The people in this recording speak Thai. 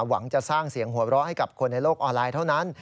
หวังจะสร้างเสียงหัวเราะให้กับคนในโลกออนไลน์เท่านั้น